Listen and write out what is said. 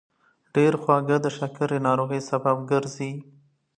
ډېرې خوږې د شکرې ناروغۍ سبب ګرځي.